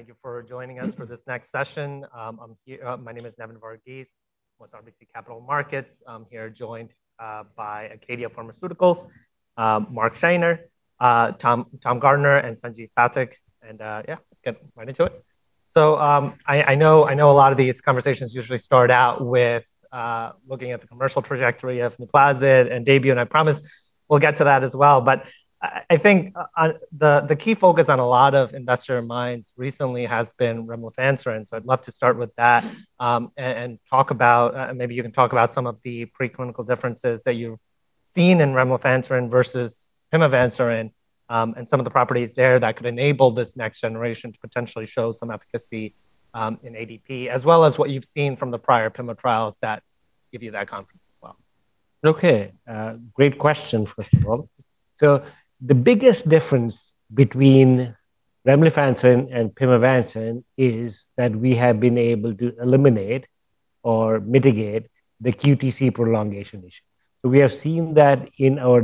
Thank you for joining us for this next session. My name is Nevin Varghese with RBC Capital Markets. I'm here joined by ACADIA Pharmaceuticals, Mark Schneyer, Tom Garner, and Sanjeev Pathak. Yeah, let's get right into it. I know a lot of these conversations usually start out with looking at the commercial trajectory of NUPLAZID and DAYBUE, and I promise we'll get to that as well. I think the key focus on a lot of investor minds recently has been remlifanserin. I'd love to start with that. Maybe you can talk about some of the preclinical differences that you've seen in remlifanserin versus pimavanserin, and some of the properties there that could enable this next generation to potentially show some efficacy in ADP, as well as what you've seen from the prior pimav trials that give you that confidence as well. Okay, great question, first of all. The biggest difference between remlifanserin and pimavanserin is that we have been able to eliminate or mitigate the QTc prolongation issue. We have seen that in our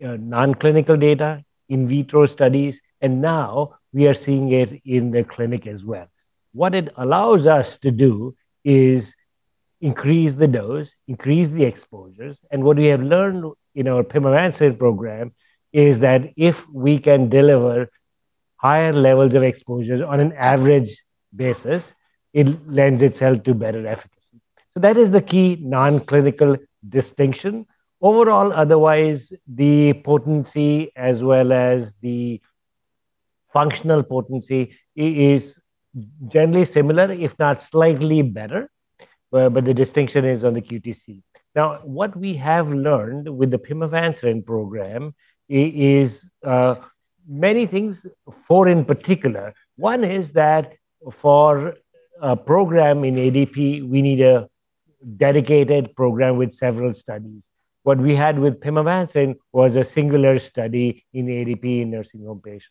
non-clinical data, in vitro studies, and now we are seeing it in the clinic as well. What it allows us to do is increase the dose, increase the exposures, and what we have learned in our pimavanserin program is that if we can deliver higher levels of exposures on an average basis, it lends itself to better efficacy. That is the key non-clinical distinction. Overall, otherwise, the potency as well as the functional potency is generally similar, if not slightly better, but the distinction is on the QTc. Now, what we have learned with the pimavanserin program is many things. Four in particular. One is that for a program in ADP, we need a dedicated program with several studies. What we had with pimavanserin was a singular study in ADP in nursing home patients.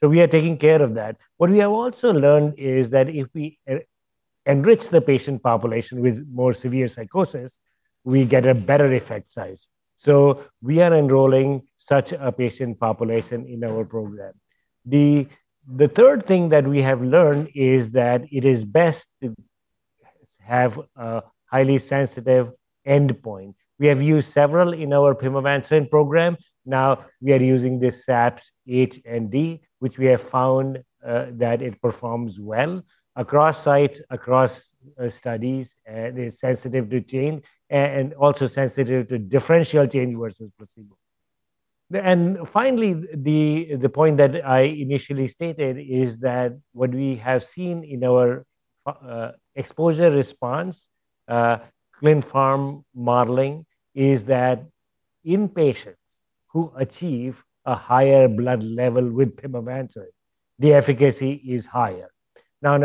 We are taking care of that. What we have also learned is that if we enrich the patient population with more severe psychosis, we get a better effect size. We are enrolling such a patient population in our program. The third thing that we have learned is that it is best to have a highly sensitive endpoint. We have used several in our pimavanserin program. Now we are using the SAPS-H+D, which we have found that it performs well across sites, across studies. They're sensitive to change and also sensitive to differential change versus placebo. Finally, the point that I initially stated is that what we have seen in our exposure response, ClinPharm modeling is that in patients who achieve a higher blood level with pimavanserin, the efficacy is higher. On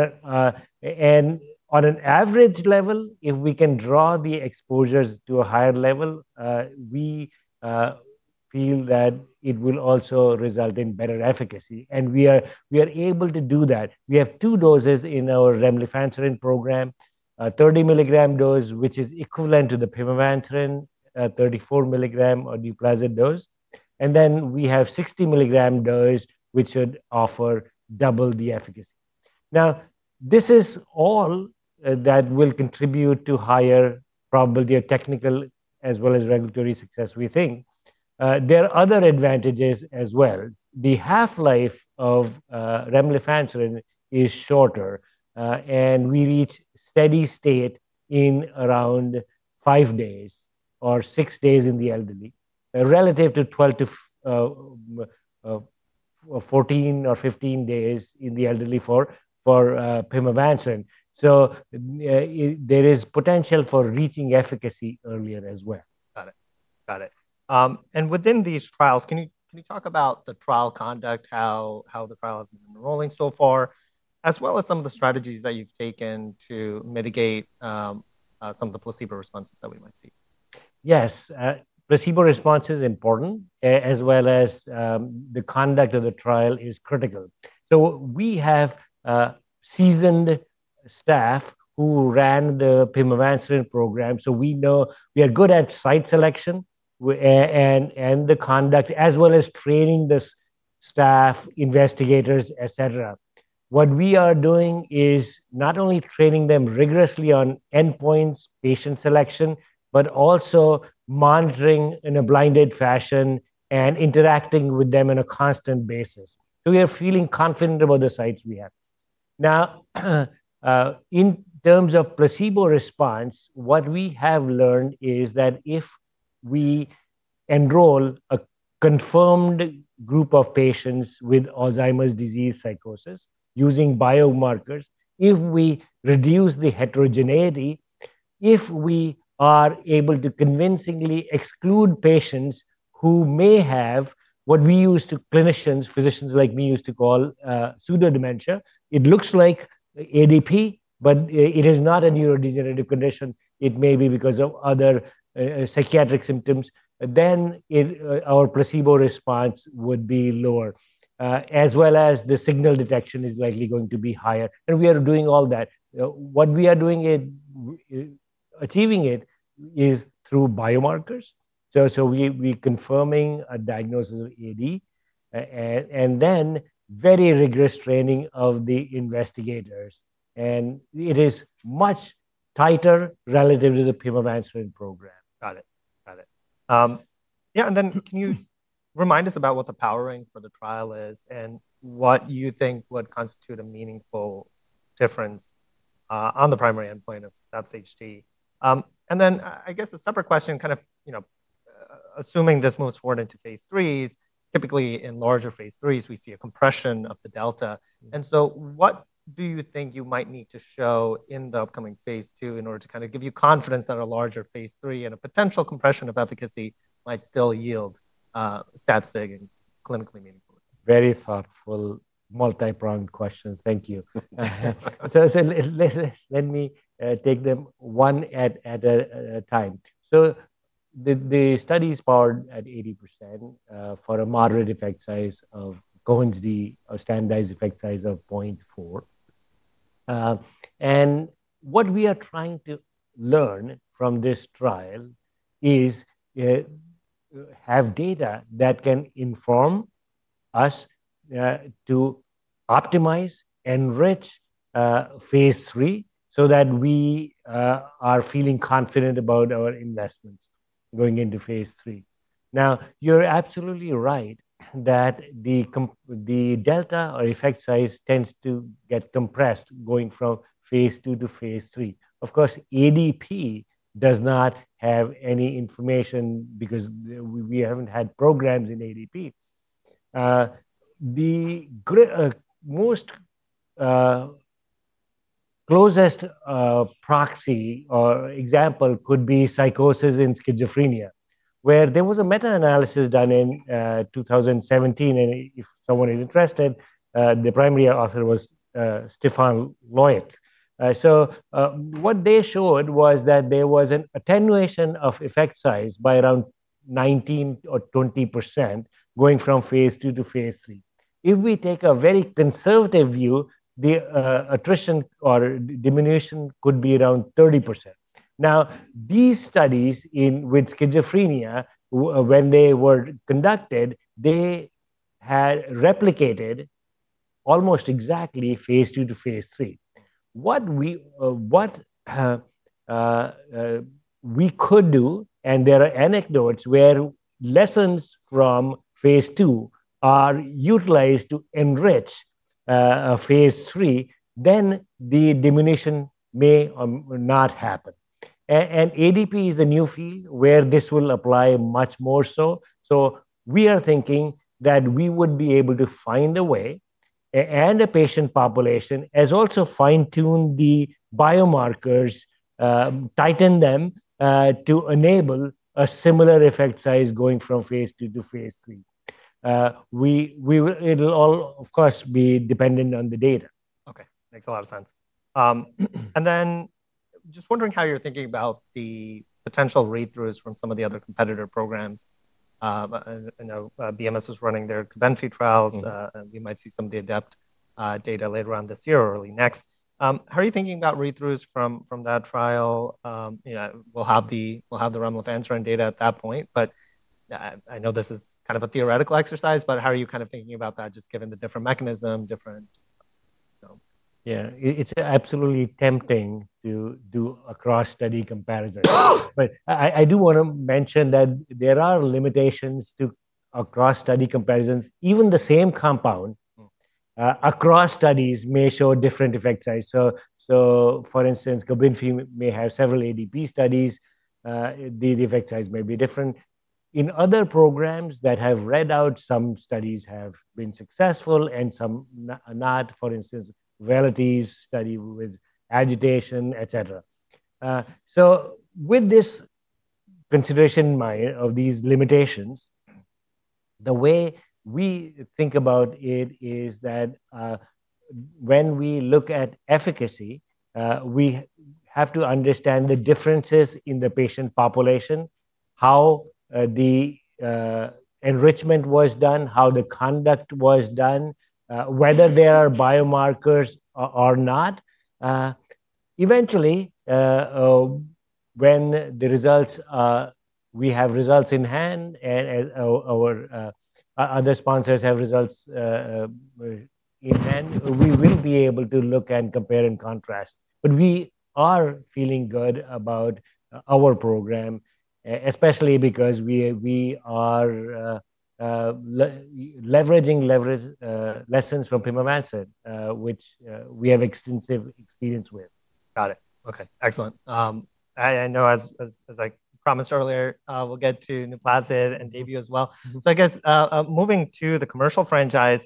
an average level, if we can draw the exposures to a higher level, we feel that it will also result in better efficacy, and we are able to do that. We have two doses in our remlifanserin program. A 30mg dose, which is equivalent to the pimavanserin, 34mg or NUPLAZID dose. Then we have 60mg dose, which should offer double the efficacy. This is all that will contribute to higher probability of technical as well as regulatory success we think. There are other advantages as well. The half-life of remlifanserin is shorter, and we reach steady state in around five days or six days in the elderly, relative to 12 days to 14 days or 15 days in the elderly for pimavanserin. There is potential for reaching efficacy earlier as well. Got it. Got it. Within these trials, can you talk about the trial conduct, how the trial has been enrolling so far, as well as some of the strategies that you've taken to mitigate some of the placebo responses that we might see? Yes. Placebo response is important as well as the conduct of the trial is critical. We have seasoned staff who ran the pimavanserin program, we know we are good at site selection and the conduct as well as training the staff, investigators, et cetera. What we are doing is not only training them rigorously on endpoints, patient selection, but also monitoring in a blinded fashion and interacting with them in a constant basis. We are feeling confident about the sites we have. Now, in terms of placebo response, what we have learned is that if we enroll a confirmed group of patients with Alzheimer's disease psychosis using biomarkers, if we reduce the heterogeneity, if we are able to convincingly exclude patients who may have what we used to clinicians, physicians like me used to call pseudodementia. It looks like ADP, it is not a neurodegenerative condition. It may be because of other psychiatric symptoms. It, our placebo response would be lower, as well as the signal detection is likely going to be higher. We are doing all that. What we are doing it, achieving it is through biomarkers. We confirming a diagnosis of AD, and then very rigorous training of the investigators. It is much tighter relative to the pimavanserin program Got it. Got it. Yeah, then can you remind us about what the powering for the trial is and what you think would constitute a meaningful difference on the primary endpoint of [SAPS-H+D]? Then I guess a separate question kind of, you know, assuming this moves forward into phase IIIs, typically in larger phase IIIs, we see a compression of the delta. So what do you think you might need to show in the upcoming phase II in order to kind of give you confidence that a larger phase III and a potential compression of efficacy might still yield stat sig and clinically meaningful? Very thoughtful, multi-pronged question. Thank you. Let me take them one at a time. The study is powered at 80% for a moderate effect size of Cohen's d or standardized effect size of 0.4. What we are trying to learn from this trial is have data that can inform us to optimize, enrich, phase III so that we are feeling confident about our investments going into phase III. Now, you're absolutely right that the delta or effect size tends to get compressed going from phase II to phase III. Of course, ADP does not have any information because we haven't had programs in ADP. The closest proxy or example could be psychosis in schizophrenia, where there was a meta-analysis done in 2017, and if someone is interested, the primary author was Stefan Leucht. What they showed was that there was an attenuation of effect size by around 19% or 20% going from phase II to phase III. If we take a very conservative view, the attrition or diminution could be around 30%. Now, these studies with schizophrenia, when they were conducted, they had replicated almost exactly phase II to phase III. What we could do, and there are anecdotes where lessons from phase II are utilized to enrich phase III, then the diminution may not happen. ADP is a new field where this will apply much more so. We are thinking that we would be able to find a way a patient population, as also fine-tune the biomarkers, tighten them, to enable a similar effect size going from phase II to phase III. It'll all, of course, be dependent on the data. Okay. Makes a lot of sense. Then just wondering how you're thinking about the potential read-throughs from some of the other competitor programs. I know BMS was running their COBENFY trials. We might see some of the ADEPT data later on this year or early next. How are you thinking about read-throughs from that trial? You know, we'll have the remlifanserin data at that point, I know this is kind of a theoretical exercise, how are you kind of thinking about that just given the different mechanism. Yeah. It's absolutely tempting to do a cross-study comparison. I do wanna mention that there are limitations to across study comparisons. Even the same compound. Across studies may show different effect size. For instance, COBENFY may have several ADP studies. The effect size may be different. In other programs that have read out, some studies have been successful and some not, for instance, [ANAVEX] study with agitation, etc. With this consideration in mind of these limitations, the way we think about it is that when we look at efficacy, we have to understand the differences in the patient population, how the enrichment was done, how the conduct was done, whether there are biomarkers or not. Eventually, when the results, we have results in hand and our other sponsors have results in hand, we will be able to look and compare and contrast. We are feeling good about our program, especially because we are leveraging lessons from pimavanserin, which we have extensive experience with. Got it. Okay. Excellent. I know as I promised earlier, we'll get to NUPLAZID and DAYBUE as well. I guess, moving to the commercial franchise,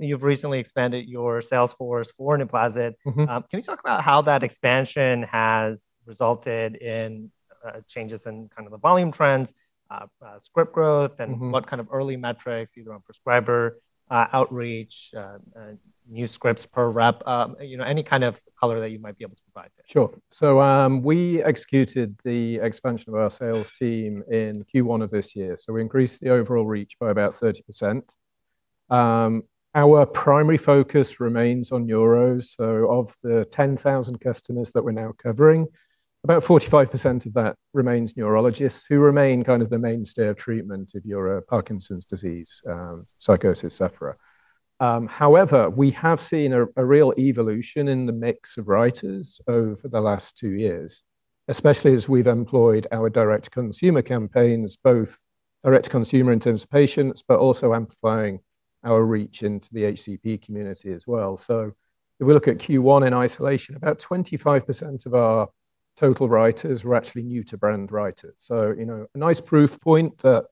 you've recently expanded your sales force for NUPLAZID. Can you talk about how that expansion has resulted in changes in kind of the volume trends, script growth? What kind of early metrics, either on prescriber, outreach, new scripts per rep, you know, any kind of color that you might be able to provide there? Sure. We executed the expansion of our sales team in Q1 of this year. We increased the overall reach by about 30%. Our primary focus remains on neuros. Of the 10,000 customers that we're now covering, about 45% of that remains neurologists who remain kind of the mainstay of treatment of neuro Parkinson's disease, psychosis, et cetera. However, we have seen a real evolution in the mix of writers over the last two years, especially as we've employed our direct consumer campaigns, both direct consumer in terms of patients, but also amplifying our reach into the HCP community as well. If we look at Q1 in isolation, about 25% of our total writers were actually new to brand writers. You know, a nice proof point that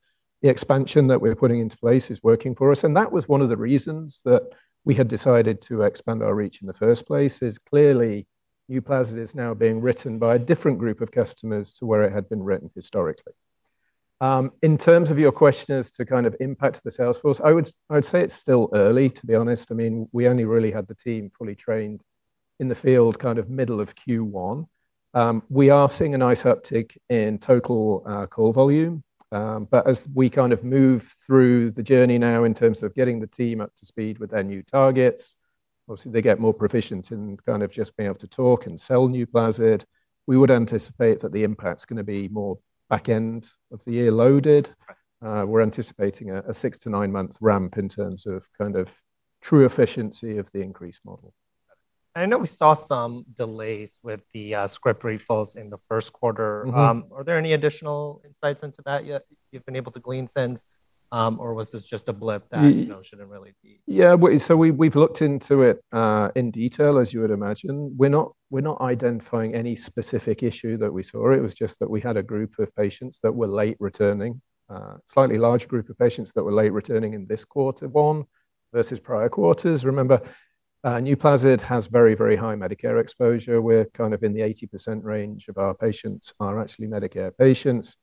the expansion that we're putting into place is working for us. That was one of the reasons that we had decided to expand our reach in the first place, is clearly NUPLAZID is now being written by a different group of customers to where it had been written historically. In terms of your question as to kind of impact to the sales force, I would say it's still early, to be honest. I mean, we only really had the team fully trained in the field kind of middle of Q1. We are seeing a nice uptick in total call volume. As we kind of move through the journey now in terms of getting the team up to speed with their new targets, obviously, they get more proficient in kind of just being able to talk and sell NUPLAZID. We would anticipate that the impact's gonna be more back end of the year loaded. We're anticipating a six-month to nine-month ramp in terms of kind of true efficiency of the increased model. I know we saw some delays with the script refills in the first quarter. Are there any additional insights into that yet you've been able to glean since, or was this just a blip? Y- You know, shouldn't really be? Yeah. We've looked into it in detail, as you would imagine. We're not identifying any specific issue that we saw. It was just that we had a group of patients that were late returning. Slightly large group of patients that were late returning in this quarter one versus prior quarters. Remember, NUPLAZID has very, very high Medicare exposure. We're kind of in the 80% range of our patients are actually Medicare patients.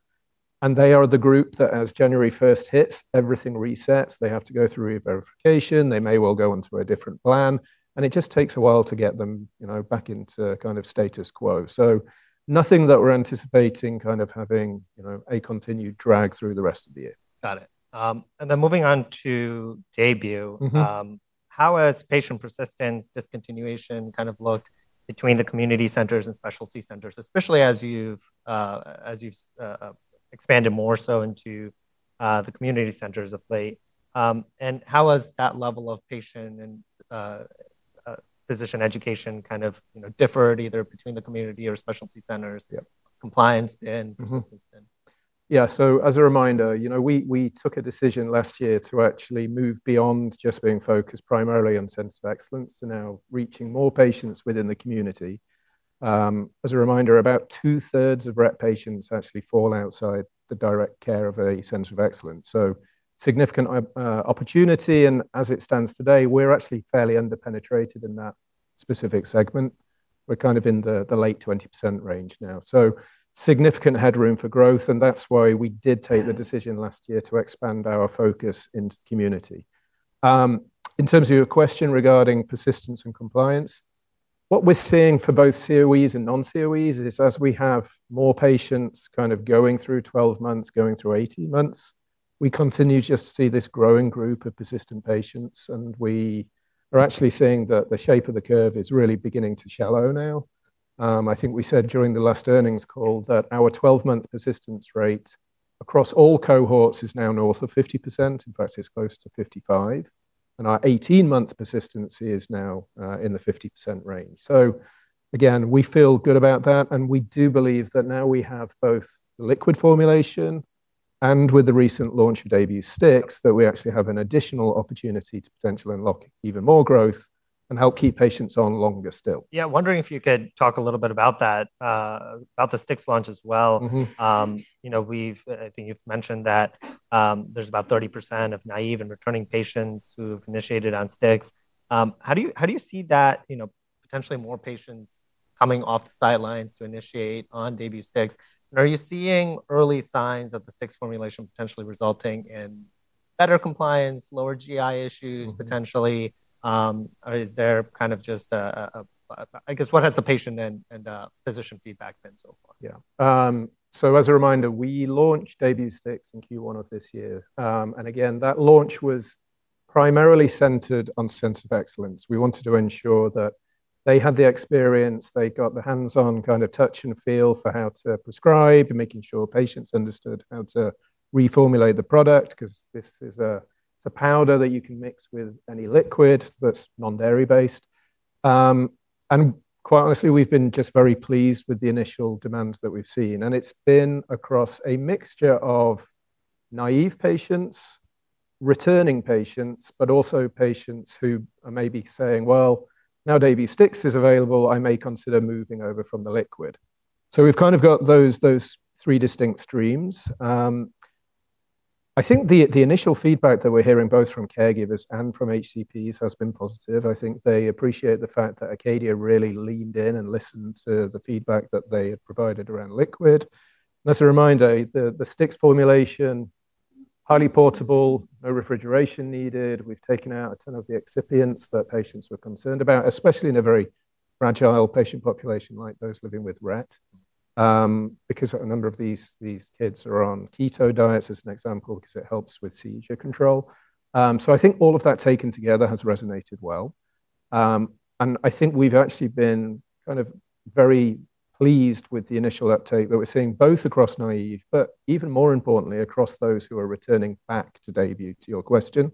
They are the group that as January 1st hits, everything resets. They have to go through re-verification. They may well go onto a different plan. It just takes a while to get them, you know, back into kind of status quo. Nothing that we're anticipating kind of having, you know, a continued drag through the rest of the year. Got it. Then moving on to DAYBUE. How has patient persistence discontinuation kind of looked between the community centers and specialty centers, especially as you've expanded more so into the community centers of late? How has that level of patient and physician education kind of, you know, differed either between the community or specialty centers? Yeah. Compliance, persistence been? Yeah. As a reminder, you know, we took a decision last year to actually move beyond just being focused primarily on Centers of Excellence to now reaching more patients within the community. As a reminder, about 2/3 of Rett patients actually fall outside the direct care of a Center of Excellence. Significant opportunity. As it stands today, we're actually fairly under-penetrated in that specific segment. We're kind of in the late 20% range now. Significant headroom for growth, that's why we did take the decision last year to expand our focus into the community. In terms of your question regarding persistence and compliance, what we're seeing for both COEs and non-COEs is as we have more patients kind of going through 12 months, going through 18 months, we continue just to see this growing group of persistent patients. We are actually seeing that the shape of the curve is really beginning to shallow now. I think we said during the last earnings call that our 12-month persistence rate across all cohorts is now north of 50%. In fact, it's close to 55%. Our 18-month persistence is now in the 50% range. Again, we feel good about that, and we do believe that now we have both the liquid formulation and with the recent launch of DAYBUE STIX, that we actually have an additional opportunity to potentially unlock even more growth and help keep patients on longer still. Yeah. Wondering if you could talk a little bit about that, about the STIX launch as well. You know, I think you've mentioned that there's about 30% of naive and returning patients who've initiated on STIX. How do you see that, you know, potentially more patients coming off the sidelines to initiate on DAYBUE STIX? Are you seeing early signs of the STIX formulation potentially resulting in better compliance, lower GI issues potentially? Is there kind of just I guess, what has the patient and physician feedback been so far? Yeah. So as a reminder, we launched DAYBUE STIX in Q1 of this year. Again, that launch was primarily centered on Centers of Excellence. We wanted to ensure that they had the experience, they got the hands-on kind of touch and feel for how to prescribe, and making sure patients understood how to reformulate the product 'cause this is a, it's a powder that you can mix with any liquid that's non-dairy based. Quite honestly, we've been just very pleased with the initial demand that we've seen. It's been across a mixture of naive patients, returning patients, but also patients who are maybe saying, "Well, now DAYBUE STIX is available, I may consider moving over from the liquid". We've kind of got those three distinct streams. I think the initial feedback that we're hearing both from caregivers and from HCPs has been positive. I think they appreciate the fact that ACADIA really leaned in and listened to the feedback that they had provided around liquid. As a reminder, the STIX formulation, highly portable, no refrigeration needed. We've taken out a ton of the excipients that patients were concerned about, especially in a very fragile patient population like those living with Rett, because a number of these kids are on keto diets, as an example, 'cause it helps with seizure control. I think all of that taken together has resonated well. I think we've actually been kind of very pleased with the initial uptake that we're seeing both across naive, but even more importantly across those who are returning back to DAYBUE, to your question.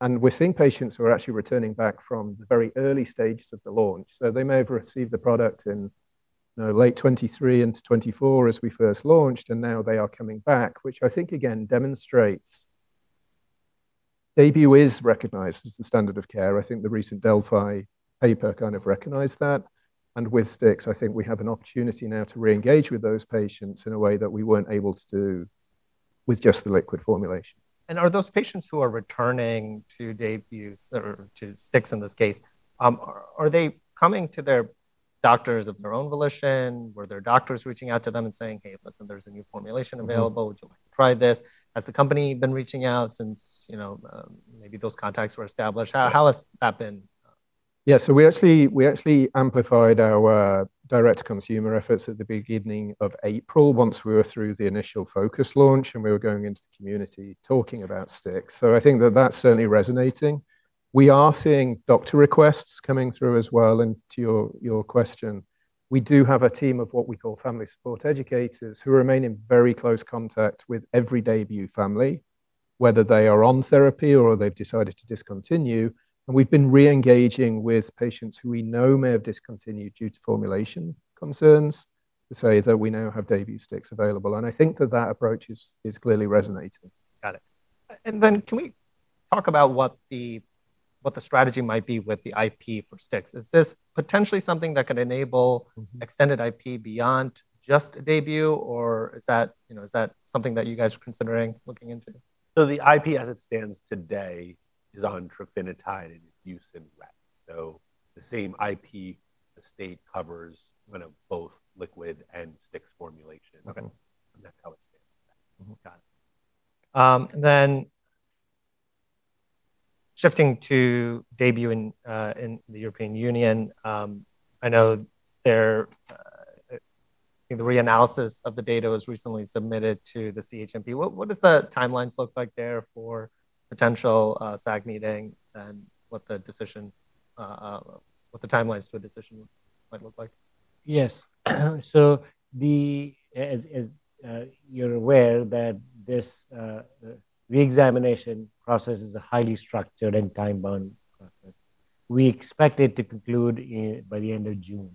We're seeing patients who are actually returning back from the very early stages of the launch. They may have received the product in, you know, late 2023 into 2024 as we first launched, and now they are coming back, which I think again demonstrates DAYBUE is recognized as the standard of care. I think the recent Delphi paper kind of recognized that. With STIX, I think we have an opportunity now to reengage with those patients in a way that we weren't able to do with just the liquid formulation. Are those patients who are returning to DAYBUE or to STIX in this case, are they coming to their doctors of their own volition? Were their doctors reaching out to them and saying, "Hey, listen, there's a new formulation available. Would you like to try this?" Has the company been reaching out since, you know, maybe those contacts were established? How has that been? We actually, we actually amplified our direct consumer efforts at the beginning of April once we were through the initial focus launch, and we were going into the community talking about STIX. I think that that's certainly resonating. We are seeing doctor requests coming through as well. To your question, we do have a team of what we call Family Support Educators who remain in very close contact with every DAYBUE family, whether they are on therapy or they've decided to discontinue. We've been reengaging with patients who we know may have discontinued due to formulation concerns to say that we now have DAYBUE STIX available. I think that that approach is clearly resonating. Got it. Then can we talk about what the strategy might be with the IP for STIX? Is this potentially something that could enable- extended IP beyond just DAYBUE or is that, you know, is that something that you guys are considering looking into? The IP as it stands today is on trofinetide use in Rett. The same IP estate covers, you know, both liquid and STIX formulation. Okay. That's how it stands today. Got it. Shifting to DAYBUE in the European Union, I know there, I think the reanalysis of the data was recently submitted to the CHMP. What does the timelines look like there for potential SAG meeting and what the decision, what the timelines to a decision might look like? Yes. The, as, you're aware that this reexamination process is a highly structured and time-bound process. We expect it to conclude by the end of June.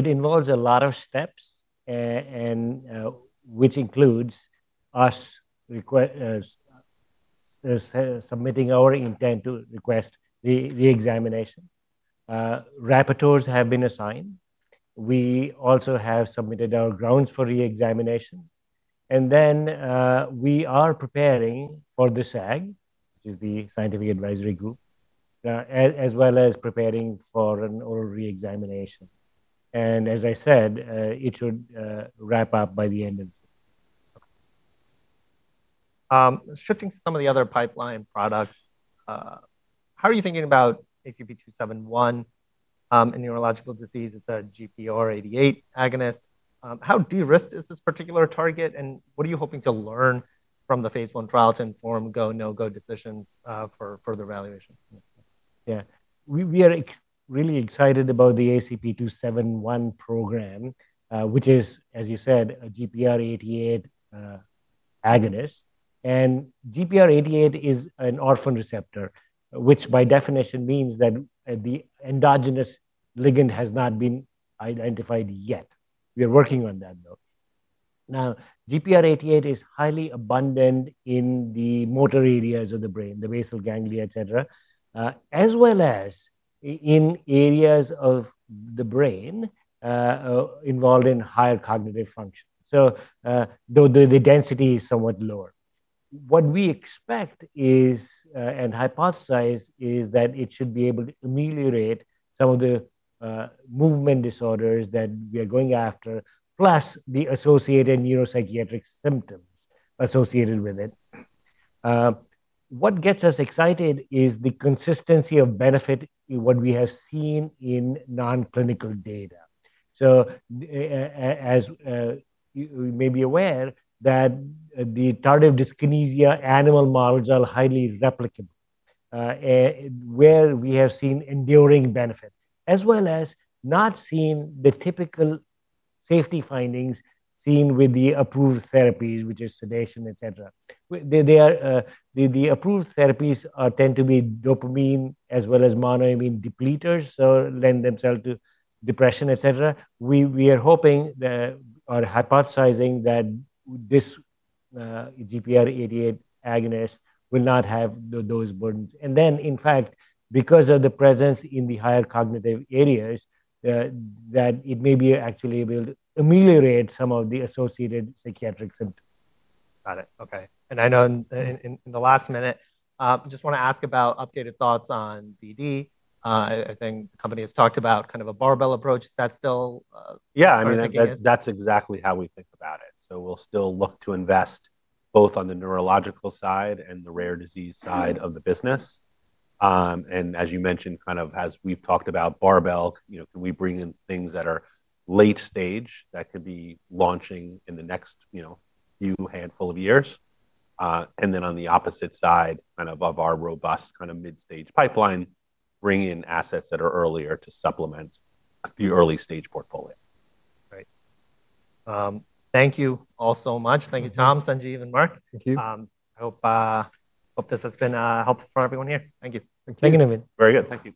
It involves a lot of steps, and which includes us submitting our intent to request reexamination. Rapporteurs have been assigned. We also have submitted our grounds for reexamination. We are preparing for the SAG, which is the Scientific Advisory Group, as well as preparing for an oral reexamination. As I said, it should wrap up by the end of June. Shifting to some of the other pipeline products, how are you thinking about ACP-271 in neurological disease? It's a GPR88 agonist. How de-risked is this particular target, and what are you hoping to learn from the phase I trial to inform go, no-go decisions for further evaluation? We are really excited about the ACP-271 program, which is, as you said, a GPR88 agonist. GPR88 is an orphan receptor, which by definition means that the endogenous ligand has not been identified yet. We are working on that, though. GPR88 is highly abundant in the motor areas of the brain, the basal ganglia, et cetera, as well as in areas of the brain involved in higher cognitive function. Though the density is somewhat lower. What we expect is, and hypothesize is that it should be able to ameliorate some of the movement disorders that we are going after, plus the associated neuropsychiatric symptoms associated with it. What gets us excited is the consistency of benefit in what we have seen in non-clinical data. As you may be aware that the tardive dyskinesia animal models are highly replicable, where we have seen enduring benefit, as well as not seeing the typical safety findings seen with the approved therapies, which is sedation, et cetera. They are the approved therapies tend to be dopamine as well as monoamine depleters, so lend themselves to depression, et cetera. We are hoping that or hypothesizing that this GPR88 agonist will not have those burdens. In fact, because of the presence in the higher cognitive areas, that it may be actually able to ameliorate some of the associated psychiatric symptoms. Got it. Okay. I know in the last minute, just want to ask about updated thoughts on BD. I think the company has talked about kind of a barbell approach. Is that still- Yeah. I mean, that- ...where your thinking is? That's exactly how we think about it. We'll still look to invest both on the neurological side and the rare disease side of the business. As you mentioned, kind of as we've talked about barbell, you know, can we bring in things that are late stage that could be launching in the next, you know, few handful of years? Then on the opposite side, kind of of our robust kind of mid-stage pipeline, bring in assets that are earlier to supplement the early stage portfolio. Great. Thank you all so much. Thank you, Tom, Sanjeev, and Mark. Thank you. I hope this has been helpful for everyone here. Thank you. Thank you. Thank you, Nevin. Very good. Thank you.